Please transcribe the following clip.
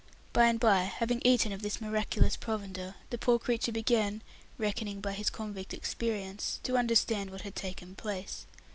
By and by, having eaten of this miraculous provender, the poor creature began reckoning by his convict experience to understand what had taken place.